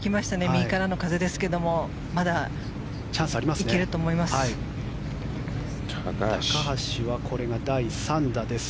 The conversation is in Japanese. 右からの風ですけれどもまだいけると思います。